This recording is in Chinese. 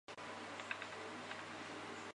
只有少数非国家公务员能升任到此阶级。